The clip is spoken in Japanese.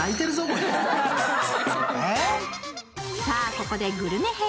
ここでグルメ編。